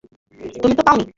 তুমি তো পাওনি।